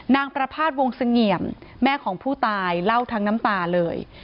ประพาทวงเสงี่ยมแม่ของผู้ตายเล่าทั้งน้ำตาเลย